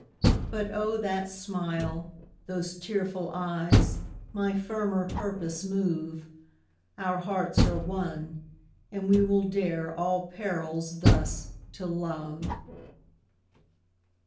But oh, that smile those tearful eyes, My firmer purpose move Our hearts are one, and we will dare All perils thus to love!